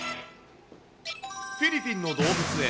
フィリピンの動物園。